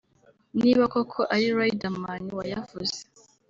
niba koko ari Riderman wayavuze